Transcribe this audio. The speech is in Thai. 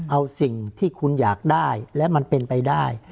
เอาสิ่งที่คุณอยากได้และมันเป็นไปได้